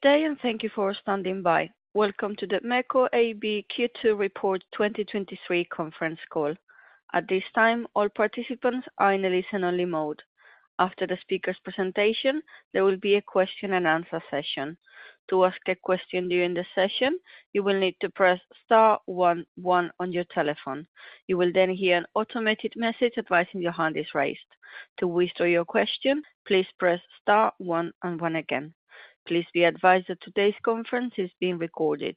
Good day, and thank you for standing by. Welcome to the MEKO AB Q2 Report 2023 conference call. At this time, all participants are in a listen-only mode. After the speaker's presentation, there will be a question and answer session. To ask a question during the session, you will need to press star 11 on your telephone. You will then hear an automated message advising your hand is raised. To withdraw your question, please press star 1 and 1 again. Please be advised that today's conference is being recorded.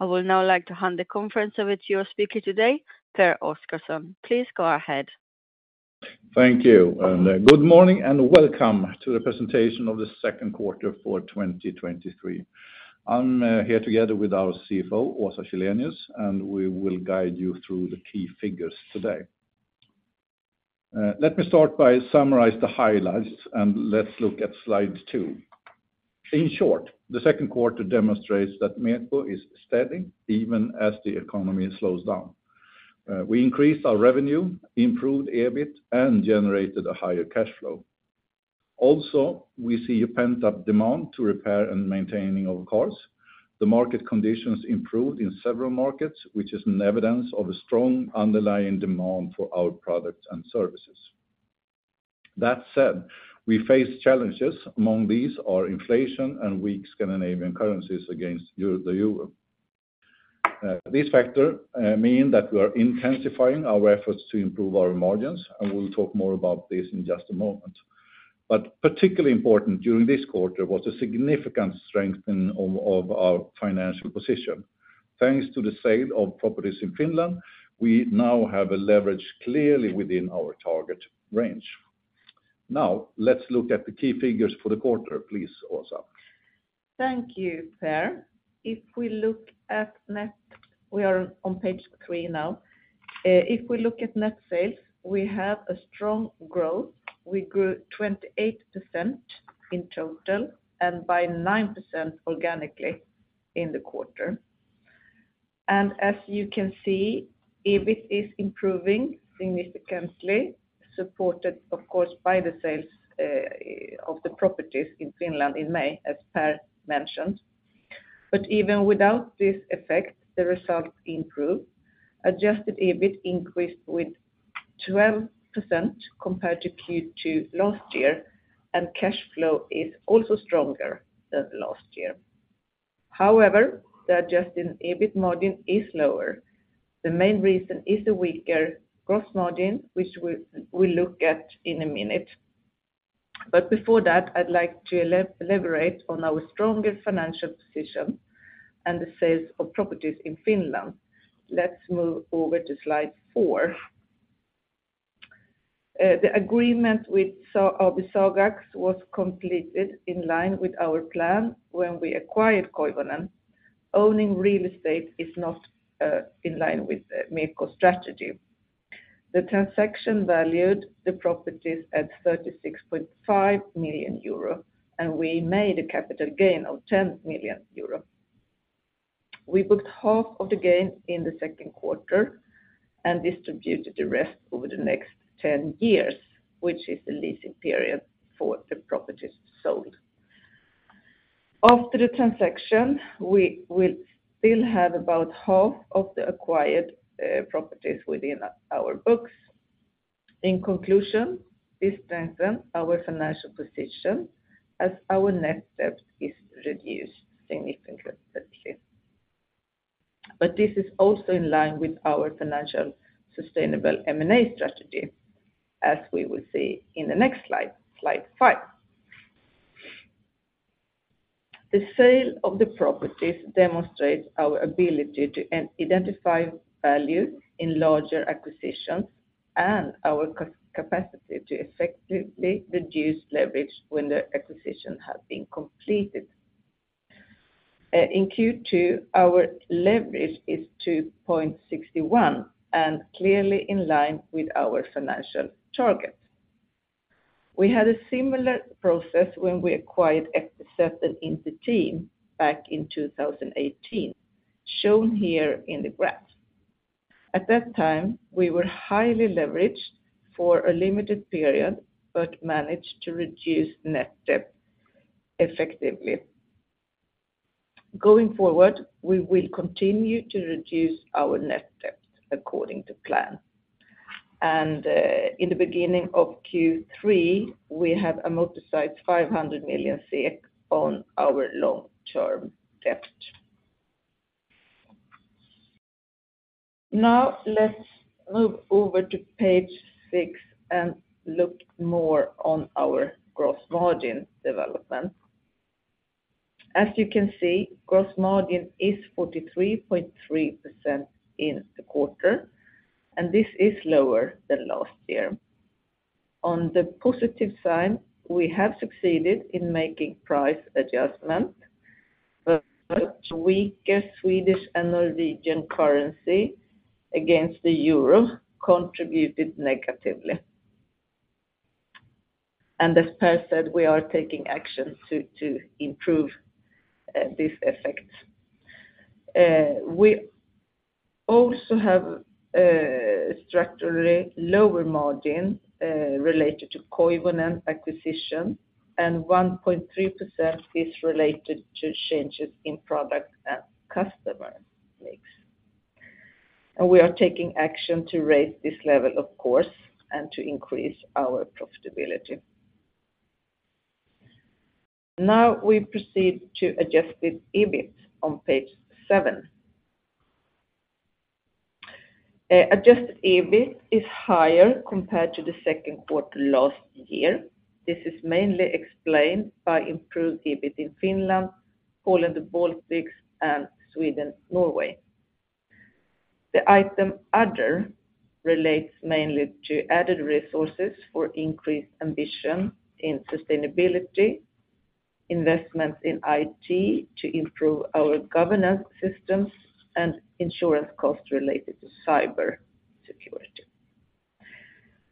I will now like to hand the conference over to your speaker today, Pehr Oscarson. Please go ahead. Thank you, good morning, and welcome to the presentation of the 2nd quarter for 2023. I'm here together with our CFO, Åsa Källenius, and we will guide you through the key figures today. Let me start by summarize the highlights, and let's look at slide 2. In short, the 2nd quarter demonstrates that MEKO is steady, even as the economy slows down. We increased our revenue, improved EBIT, and generated a higher cash flow. Also, we see a pent-up demand to repair and maintaining our cars. The market conditions improved in several markets, which is an evidence of a strong underlying demand for our products and services. That said, we face challenges. Among these are inflation and weak Scandinavian currencies against the euro. This factor, mean that we are intensifying our efforts to improve our margins, and we'll talk more about this in just a moment. Particularly important during this quarter was a significant strength of our financial position. Thanks to the sale of properties in Finland, we now have a leverage clearly within our target range. Let's look at the key figures for the quarter, please, Åsa. Thank you, Per. If we look at net, we are on page three now. If we look at net sales, we have a strong growth. We grew 28% in total and by 9% organically in the quarter. As you can see, EBIT is improving significantly, supported, of course, by the sales of the properties in Finland in May, as Per mentioned. Even without this effect, the result improved. Adjusted EBIT increased with 12% compared to Q2 last year, and cash flow is also stronger than last year. However, the adjusted EBIT margin is lower. The main reason is the weaker gross margin, which we look at in a minute. Before that, I'd like to elaborate on our stronger financial position and the sales of properties in Finland. Let's move over to slide 4. The agreement with Sagax was completed in line with our plan when we acquired Koivunen. Owning real estate is not in line with the MEKO strategy. The transaction valued the properties at 36.5 million euro, and we made a capital gain of 10 million euro. We booked half of the gain in the Q2 and distributed the rest over the next 10 years, which is the leasing period for the properties sold. After the transaction, we will still have about half of the acquired properties within our books. In conclusion, this strengthen our financial position as our net debt is reduced significantly. This is also in line with our financial sustainable M&A strategy, as we will see in the next slide, slide 5. The sale of the properties demonstrates our ability to identify value in larger acquisitions and our capacity to effectively reduce leverage when the acquisition has been completed. In Q2, our leverage is 2.61, clearly in line with our financial targets. We had a similar process when we acquired FTZ and Inter-Team back in 2018, shown here in the graph. At that time, we were highly leveraged for a limited period, managed to reduce net debt effectively. Going forward, we will continue to reduce our net debt according to plan. In the beginning of Q3, we have amortized 500 million on our long-term debt. Now, let's move over to page 6 and look more on our gross margin development. As you can see, gross margin is 43.3% in the quarter. This is lower than last year. On the positive side, we have succeeded in making price adjustments. Weaker Swedish and Norwegian currency against the euro contributed negatively. As Pehr said, we are taking action to improve this effect. We also have structurally lower margin related to Koivunen acquisition. 1.3% is related to changes in product and customer mix. We are taking action to raise this level, of course, and to increase our profitability. Now, we proceed to Adjusted EBIT on page 7. Adjusted EBIT is higher compared to the second quarter last year. This is mainly explained by improved EBIT in Finland, Poland, the Baltics, and Sweden, Norway. The item other relates mainly to added resources for increased ambition in sustainability, investments in IT to improve our governance systems, and insurance costs related to cyber security.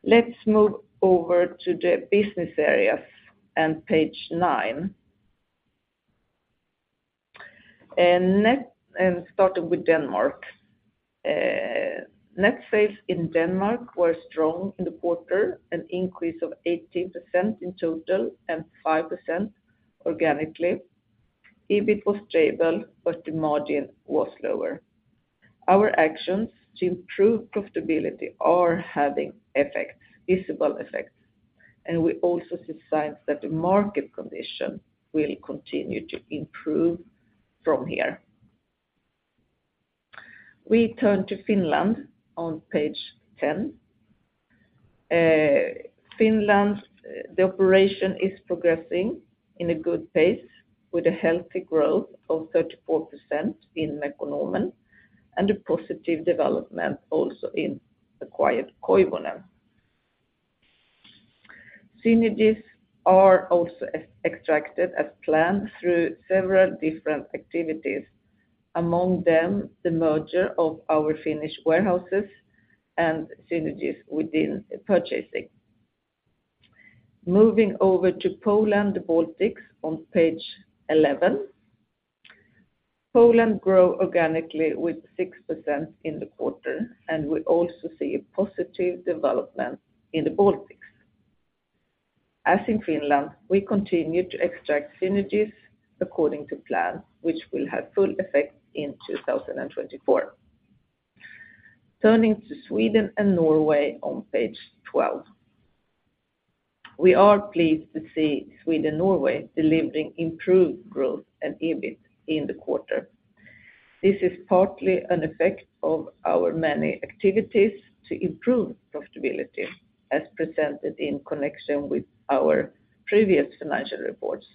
Let's move over to the business areas on page nine. Net, and starting with Denmark. Net sales in Denmark were strong in the quarter, an increase of 18% in total and 5% organically. EBIT was stable, but the margin was lower. Our actions to improve profitability are having effects, visible effects, and we also see signs that the market condition will continue to improve from here. We turn to Finland on page 10. Finland, the operation is progressing in a good pace with a healthy growth of 34% in Mekonomen, and a positive development also in acquired Koivunen. Synergies are also extracted as planned through several different activities, among them, the merger of our Finnish warehouses and synergies within purchasing. Moving over to Poland, the Baltics on page 11. Poland grow organically with 6% in the quarter, and we also see a positive development in the Baltics. As in Finland, we continue to extract synergies according to plan, which will have full effect in 2024. Turning to Sweden and Norway on page 12. We are pleased to see Sweden, Norway delivering improved growth and EBIT in the quarter. This is partly an effect of our many activities to improve profitability, as presented in connection with our previous financial reports.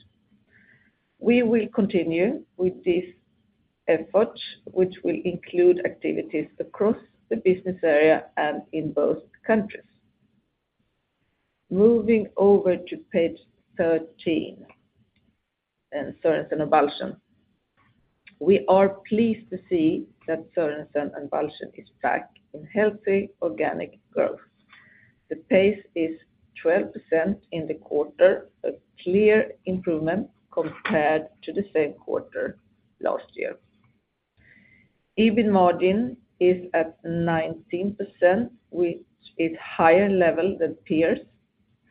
We will continue with this effort, which will include activities across the business area and in both countries. Moving over to page 13, and Sørensen og Balchen. We are pleased to see that Sørensen og Balchen is back in healthy organic growth. The pace is 12% in the quarter, a clear improvement compared to the same quarter last year. EBIT margin is at 19%, which is higher level than peers,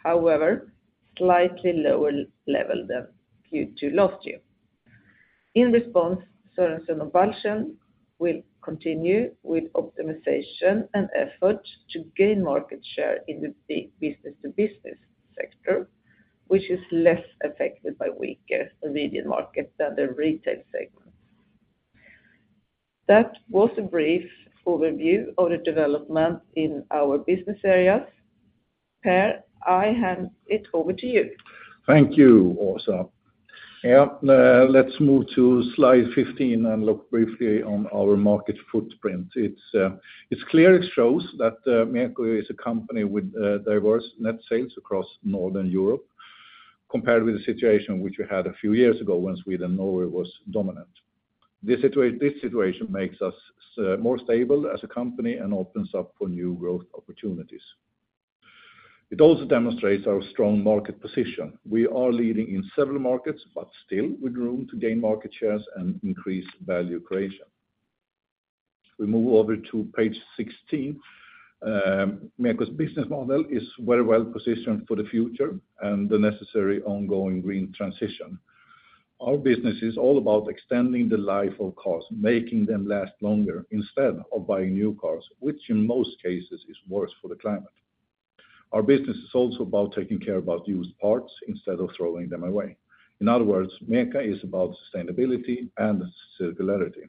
however, slightly lower level than Q2 last year. In response, Sørensen og Balchen will continue with optimization and effort to gain market share in the big business-to-business sector, which is less affected by weaker immediate market than the retail segment. That was a brief overview of the development in our business areas. Per, I hand it over to you. Thank you, Åsa. Yeah, let's move to slide 15 and look briefly on our market footprint. It's clear it shows that MEKO is a company with diverse net sales across Northern Europe, compared with the situation which we had a few years ago, when Sweden, Norway was dominant. This situation makes us more stable as a company and opens up for new growth opportunities. It also demonstrates our strong market position. We are leading in several markets, but still with room to gain market shares and increase value creation. We move over to page 16. MEKO's business model is very well positioned for the future and the necessary ongoing green transition. Our business is all about extending the life of cars, making them last longer, instead of buying new cars, which in most cases is worse for the climate. Our business is also about taking care about used parts instead of throwing them away. In other words, MEKO is about sustainability and circularity.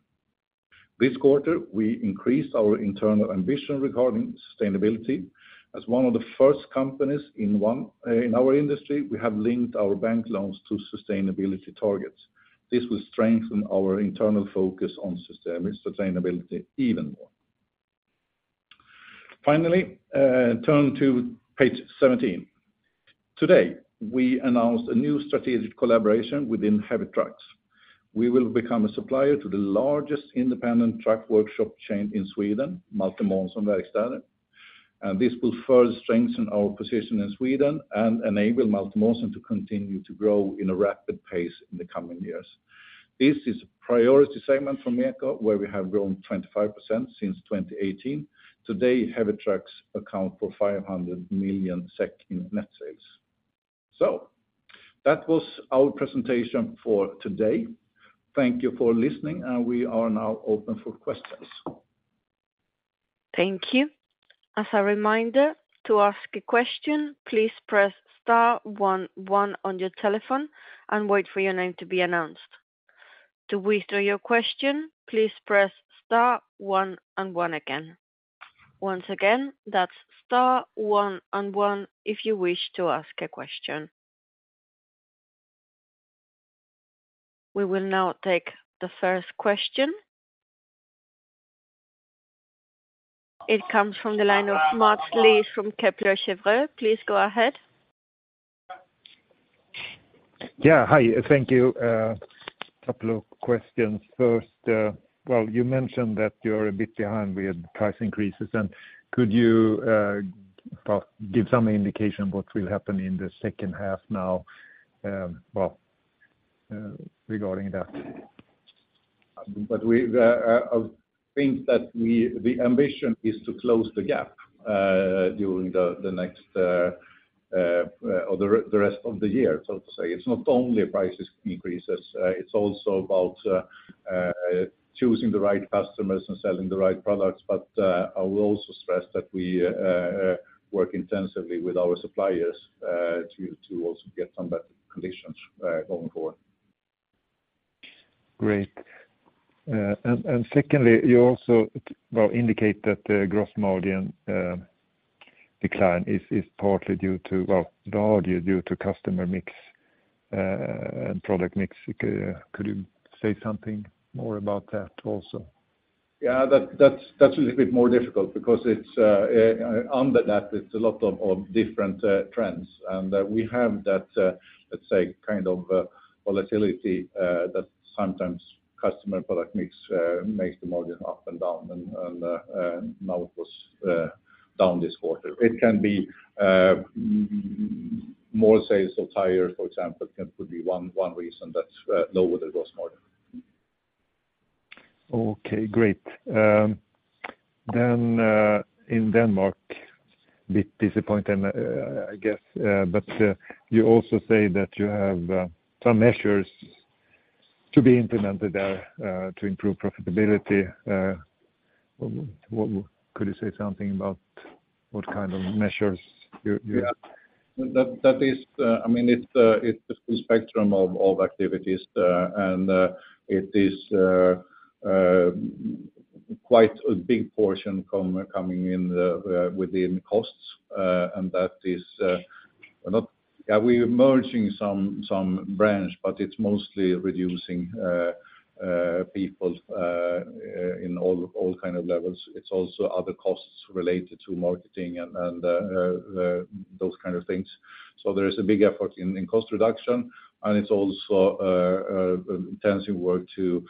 This quarter, we increased our internal ambition regarding sustainability. As one of the first companies in our industry, we have linked our bank loans to sustainability targets. This will strengthen our internal focus on sustainability even more. Finally, turn to page 17. Today, we announced a new strategic collaboration within Heavy Trucks. We will become a supplier to the largest independent truck workshop chain in Sweden, Malte Månsson Verkstäder. This will further strengthen our position in Sweden and enable Malte Månsson to continue to grow in a rapid pace in the coming years. This is a priority segment for MEKO, where we have grown 25% since 2018. Today, Heavy Trucks account for 500 million SEK in net sales. That was our presentation for today. Thank you for listening, and we are now open for questions. Thank you. As a reminder, to ask a question, please press star one one on your telephone and wait for your name to be announced. To withdraw your question, please press star one and one again. Once again, that's star one and one if you wish to ask a question. We will now take the first question. It comes from the line of Mats Liss from Kepler Cheuvreux. Please go ahead. Yeah, hi. Thank you. Couple of questions. First, well, you mentioned that you're a bit behind with price increases. Could you, well, give some indication what will happen in the second half now, well, regarding that? We, I think that we the ambition is to close the gap during the, the next, or the rest of the year, so to say. It's not only prices increases, it's also about choosing the right customers and selling the right products, but, I will also stress that we work intensively with our suppliers to also get some better conditions going forward. Great. Secondly, you also, well, indicate that the gross margin, decline is partly due to, well, largely due to customer mix, and product mix. Could you say something more about that also? Yeah, that's a little bit more difficult because it's, under that, it's a lot of different trends. We have that, let's say, kind of volatility that sometimes customer product mix makes the margin up and down, and now it was down this quarter. It can be more sales of tires, for example, could be one reason that lower the gross margin. Okay, great. In Denmark, bit disappointing, I guess, but you also say that you have some measures to be implemented there, to improve profitability. Could you say something about what kind of measures you? Yeah. That, that is, I mean, it's, it's a full spectrum of activities, and it is quite a big portion coming in within costs, and that is not-- Are we merging some, some branch, but it's mostly reducing people in all, all kind of levels. It's also other costs related to marketing and, and those kind of things. There is a big effort in, in cost reduction, and it's also intensive work to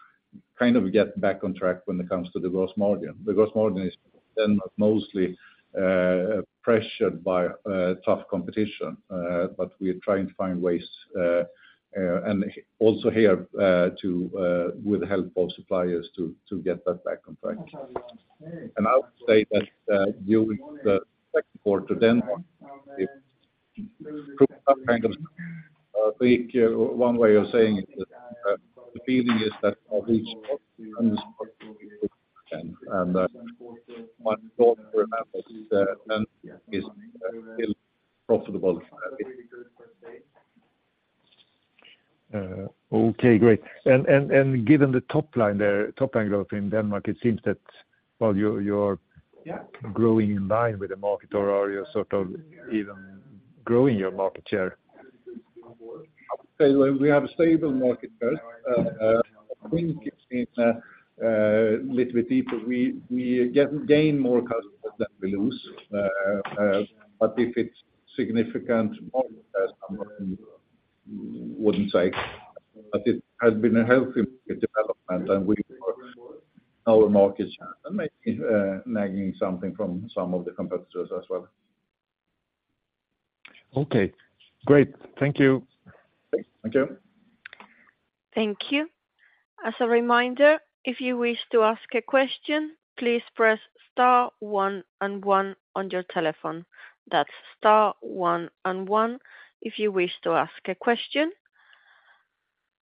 kind of get back on track when it comes to the gross margin. The gross margin is then mostly pressured by tough competition, we are trying to find ways and also here to with the help of suppliers, to, to get that back on track. I would say that, during the second quarter, then it's some kind of, big, one way of saying it, the feeling is that of each. Okay, great. Given the top line there, top line growth in Denmark, it seems that, well, you're, you're growing in line with the market or are you sort of even growing your market share? We have a stable market share. I think it's been little bit deeper. We gain more customers than we lose, but if it's significant, wouldn't say. It has been a healthy development, and we our market share, and maybe nagging something from some of the competitors as well. Okay, great. Thank you. Thank you. Thank you. As a reminder, if you wish to ask a question, please press star 1 and 1 on your telephone. That's star 1 and 1, if you wish to ask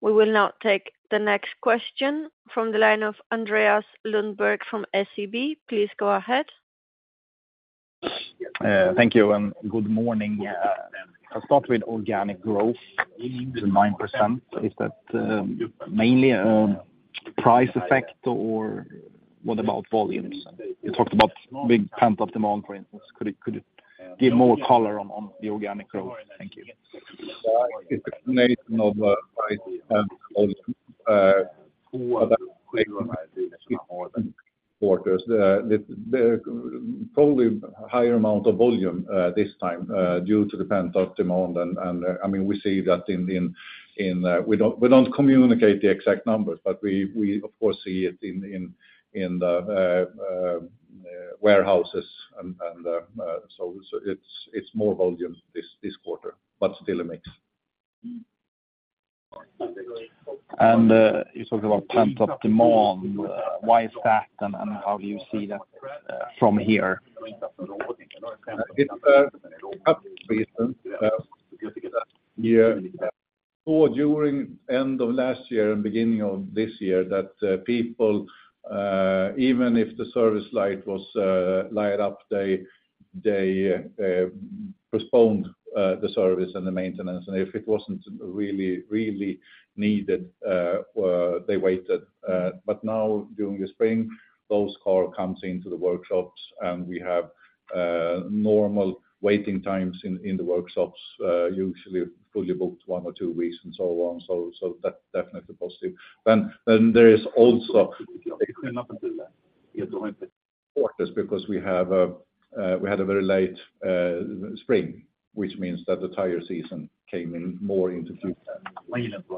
a question. We will now take the next question from the line of Andreas Lundberg from SEB. Please go ahead. Thank you, good morning. I'll start with organic growth, the 9%. Is that mainly price effect, or what about volumes? You talked about big pent-up demand, for instance. Could you, could you give more color on, on the organic growth? Thank you. Nation of quarters. The, the, probably higher amount of volume this time due to the pent-up demand, and, and, I mean, we see that in, in, in, we don't, we don't communicate the exact numbers, but we, we, of course, see it in, in, in the warehouses and, and, so, so it's, it's more volume this, this quarter, but still a mix. You talked about pent-up demand. Why is that, and, and how do you see that, from here? It's couple reasons. Yeah, or during end of last year and beginning of this year, that people, even if the service light was light up, they, they postponed the service and the maintenance, and if it wasn't really, really needed, they waited. Now during the spring, those car comes into the workshops, and we have normal waiting times in, in the workshops, usually fully booked 1 or 2 weeks and so on. That's definitely positive. There is also.... -quarters because we have, we had a very late spring, which means that the tire season came in more into Q4.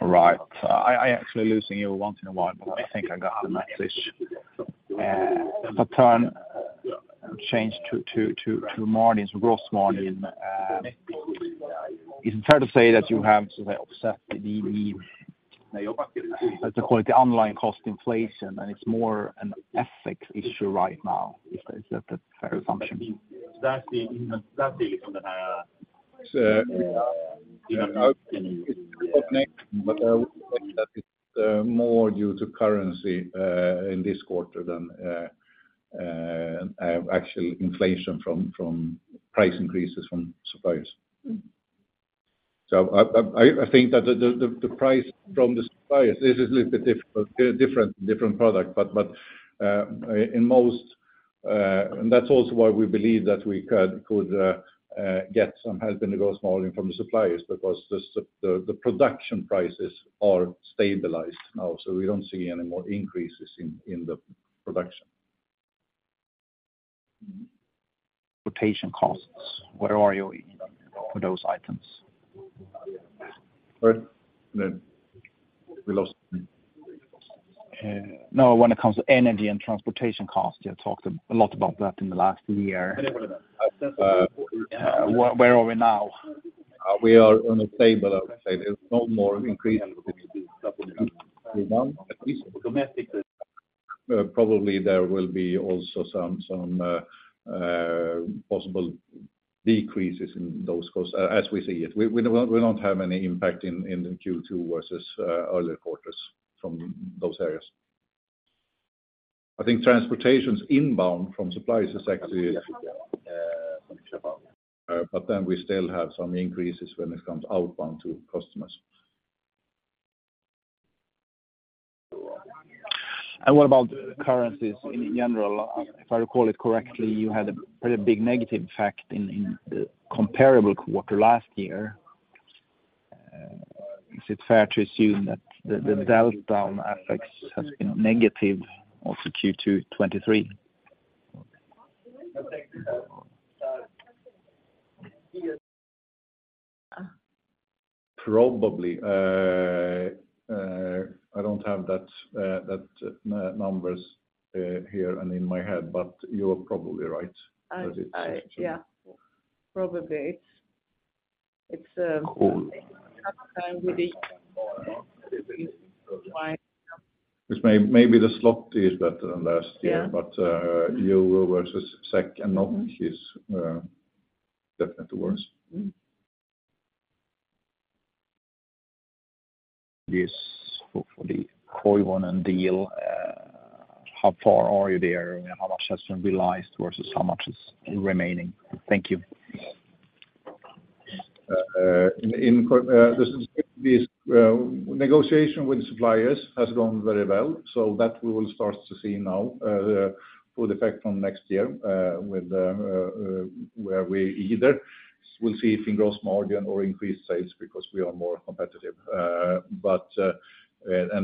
Right. I, I actually losing you once in a while, but I think I got the message. Pattern change to margins, gross margin. Is it fair to say that you have to offset the, let's call it, the underlying cost inflation, and it's more an FX issue right now? Is that a fair assumption? That's the, that's the, but more due to currency in this quarter than actual inflation from price increases from suppliers. I, I, I, I think that the price from the suppliers is a little bit different product, but in most... That's also why we believe that we could get some help in the gross margin from the suppliers, because the production prices are stabilized now, so we don't see any more increases in the production. Rotation costs, where are you for those items? What? We lost you. No, when it comes to energy and transportation costs, you talked a lot about that in the last year. Uh. Where, where are we now? We are on a stable, I would say. There's no more increase in domestic. Probably there will be also some, some possible decreases in those costs, as we see it. We, we don't, we don't have any impact in, in the Q2 versus earlier quarters from those areas. I think transportation's inbound from suppliers is actually, but then we still have some increases when it comes outbound to customers. What about currencies in general? If I recall it correctly, you had a pretty big negative effect in, in the comparable quarter last year. Is it fair to assume that the, the delta on FX has been negative also Q2 2023? Probably. I don't have that, that, numbers here and in my head, but you are probably right, that it's- I, I, yeah, probably it's, it's... Cool. Cause maybe the slot is better than last year. Yeah. Euro versus SEK and NOK is definitely worse. Yes, hopefully, Koivunen deal, how far are you there, and how much has been realized versus how much is remaining? Thank you. In this negotiation with the suppliers has gone very well, so that we will start to see now, for the effect from next year, with where we either will see it in gross margin or increased sales because we are more competitive.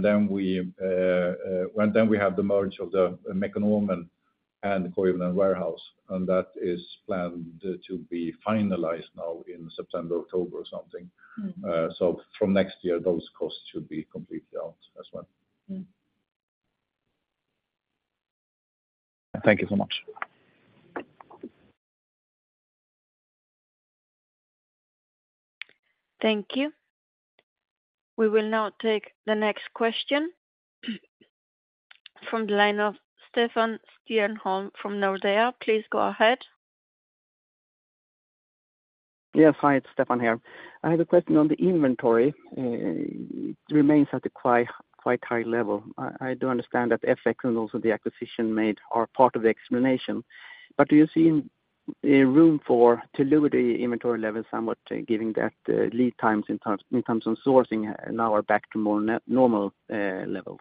Then we have the merge of the Mekonomen and Koivunen warehouse, and that is planned to be finalized now in September, October or something. From next year, those costs should be completely out as well. Thank you so much. Thank you. We will now take the next question from the line of Stefan Stjernholm from Nordea. Please go ahead. Yes. Hi, it's Stefan here. I have a question on the inventory. It remains at a quite, quite high level. I, I do understand that FX and also the acquisition made are part of the explanation, but do you see a room for, to lower the inventory level somewhat, given that, lead times in terms of sourcing are now back to more normal levels?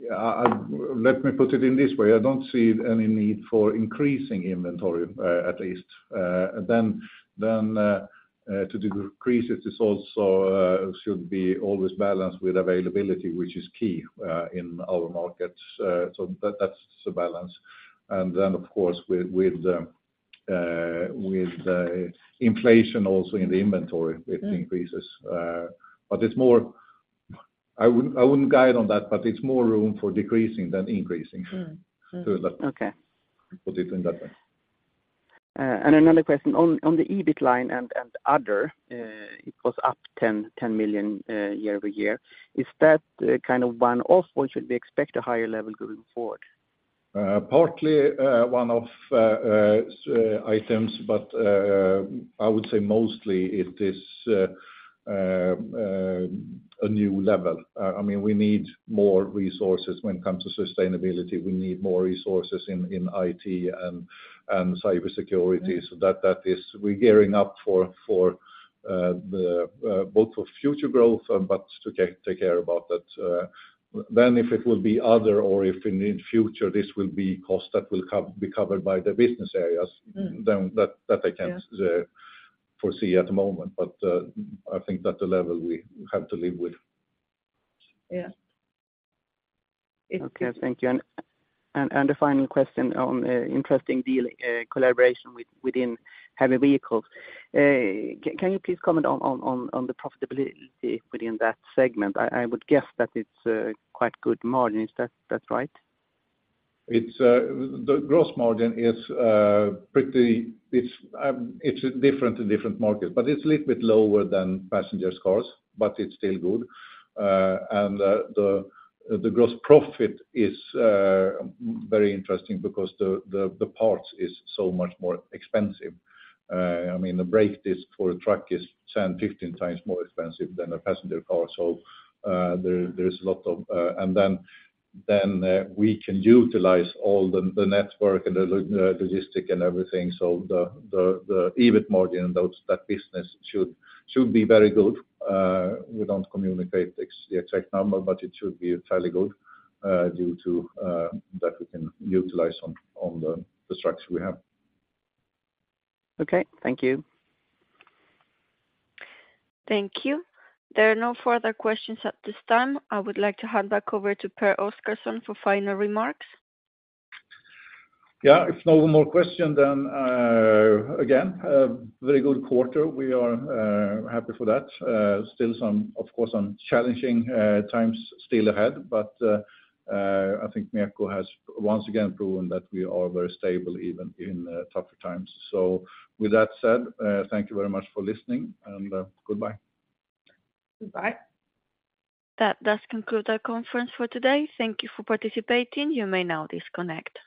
Yeah, I, I... Let me put it in this way: I don't see any need for increasing inventory, at least. Then, then, to decrease it is also, should be always balanced with availability, which is key, in our markets. That, that's the balance. Then, of course, with, with, with the inflation also in the inventory, it increases. It's more, I wouldn't, I wouldn't guide on that, but it's more room for decreasing than increasing. Okay. Put it in that way. Another question, on, on the EBIT line and, and other, it was up 10 million year-over-year. Is that, kind of one-off, or should we expect a higher level going forward? Partly, one-off, items. I would say mostly it is a new level. I mean, we need more resources when it comes to sustainability. We need more resources in IT and cybersecurity. That is, we're gearing up for the both for future growth, but to take care about that. If it will be other or if in the future, this will be cost that will be covered by the business areas. that, that I can't- Yeah foresee at the moment, but, I think that the level we have to live with. Yeah. Okay, thank you. The final question on interesting deal, collaboration within Heavy Trucks. Can you please comment on the profitability within that segment? I would guess that it's quite good margin. Is that right? It's, the gross margin is, it's different in different markets, but it's a little bit lower than passenger cars, but it's still good. The, the gross profit is, very interesting because the, the, the parts is so much more expensive. I mean, the brake disk for a truck is 10, 15 times more expensive than a passenger car. There, there is a lot of. Then, we can utilize all the, the network and the, the logistic and everything. The, the, the EBIT margin, those, that business should, should be very good. We don't communicate the exact number, but it should be entirely good, due to, that we can utilize on, on the, the structure we have. Okay. Thank you. Thank you. There are no further questions at this time. I would like to hand back over to Pehr Oscarson for final remarks. Yeah, if no more question, then, again, a very good quarter. We are happy for that. Still some, of course, some challenging times still ahead, but, I think MEKOlac has once again proven that we are very stable even in tougher times. With that said, thank you very much for listening and, goodbye. Goodbye. That does conclude our conference for today. Thank you for participating. You may now disconnect.